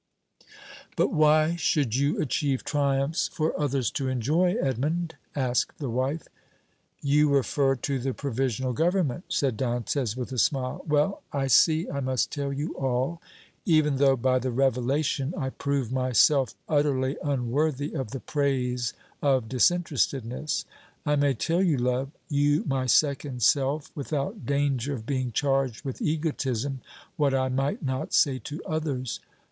"But why should you achieve triumphs for others to enjoy, Edmond?" asked the wife. "You refer to the Provisional Government," said Dantès with a smile. "Well, I see I must tell you all, even though by the revelation I prove myself utterly unworthy of the praise of disinterestedness. I may tell you, love you my second self without danger of being charged with egotism, what I might not say to others.